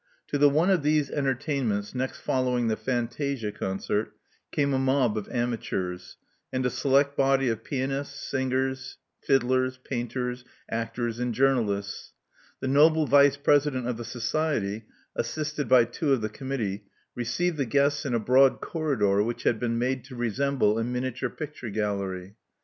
To the one of these entertainments next following the fantasia concert came a mob of amateurs, and a select body of pianists, singers, fiddlers, painters, actors and journalists. The noble vice president of the society, assisted by two of the committee, received the guests in a broad corridor which had been made to resemble a miniature picture gallery.